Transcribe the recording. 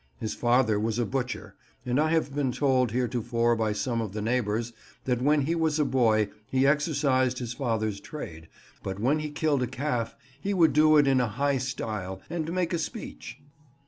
His father was a butcher, and I have been told heretofore by some of the neighbours, that when he was a boy he exercised his father's trade, but when he kill'd a calfe he would doe it in a high style, and make a speech."